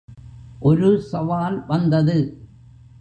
ஒரு சவால் வந்தது.